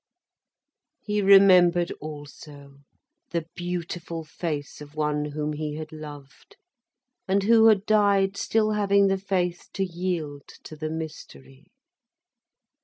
He remembered also the beautiful face of one whom he had loved, and who had died still having the faith to yield to the mystery.